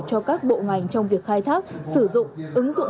cho các bộ ngành trong việc khai thác sử dụng ứng dụng